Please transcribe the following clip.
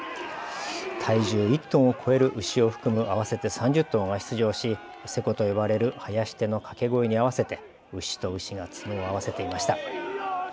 体重１トンを超える牛を含む合わせて３０頭が出場しせこと呼ばれる囃子手の掛け声に合わせて牛と牛が角を合わせていました。